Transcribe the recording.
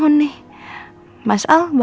terima kasih ya